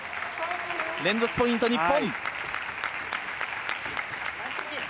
連続ポイント、日本。